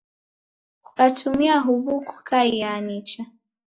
Kukatumia huw'u kukaiaa nicha.